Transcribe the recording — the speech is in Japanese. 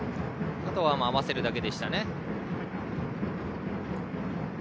あとは合わせるだけでしたね。